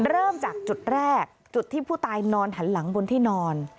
เริ่มจากจุดแรกจุดที่ผู้ตายนอนหันหลังบนที่นอน